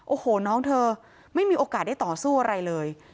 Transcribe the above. โอ้โหน้องเธอไม่มีโอกาสได้ต่อสู้อะไรเลย